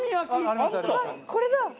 あっこれだ。